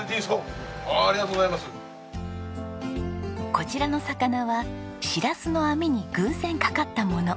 こちらの魚はしらすの網に偶然かかったもの。